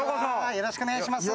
よろしくお願いします。